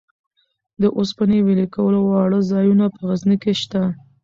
د اوسپنې ویلې کولو واړه ځایونه په غزني کې شته.